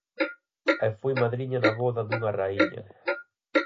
E foi madriña na voda dunha raíña.